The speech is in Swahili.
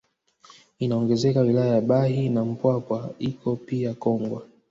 Inaongezeka wilaya ya Bahi na Mpwapwa ipo pia Kongwa